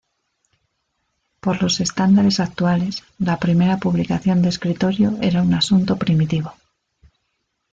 Por los estándares actuales, la primera publicación de escritorio era un asunto primitivo.